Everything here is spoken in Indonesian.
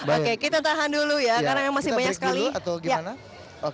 oke kita tahan dulu ya karena memang masih banyak sekali